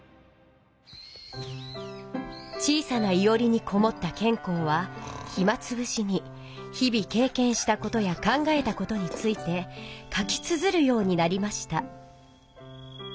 小さないおりにこもった兼好はひまつぶしに日々けいけんしたことや考えたことについて書きつづるようになりました。